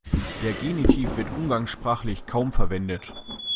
Der Genitiv wird umgangssprachlich kaum verwendet.